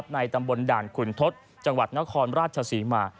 ในตำบลด่านขุนทศจังหวัดนครราชศรีมา